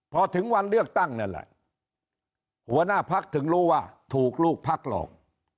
พอถึงวันเลือกตั้งนั่นแหละหัวหน้าพักถึงรู้ว่าถูกลูกพักหลอก